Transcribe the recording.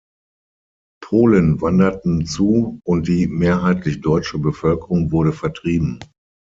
Polen wanderten zu, und die mehrheitlich deutsche Bevölkerung wurde vertrieben.